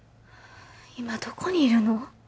今どこにいるの？